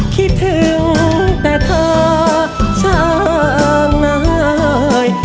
คิดถึงแต่เธอช่างนาย